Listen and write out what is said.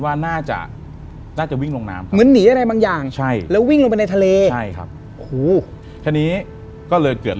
เพราะว่ามีคนเสียชีวิตใช่ไหมพี่แก๊ก